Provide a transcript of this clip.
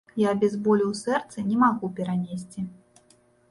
Я без болю ў сэрцы не магу перанесці.